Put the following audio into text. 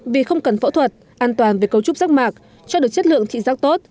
vì không cần phẫu thuật an toàn về cấu trúc rác mạc cho được chất lượng thị giác tốt